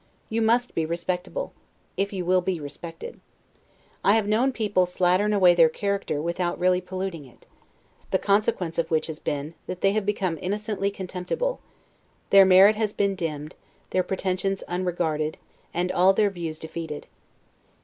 You must be respectable, if you will be respected. I have known people slattern away their character, without really polluting it; the consequence of which has been, that they have become innocently contemptible; their merit has been dimmed, their pretensions unregarded, and all their views defeated.